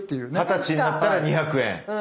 二十歳になったら２００円。